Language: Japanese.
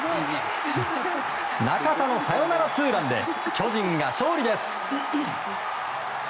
中田のサヨナラツーランで巨人が勝利です。